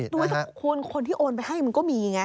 ดูสิคุณคนที่โอนไปให้มันก็มีไง